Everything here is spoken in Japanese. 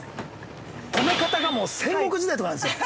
◆止め方が、もう戦国時代とかなんですよ。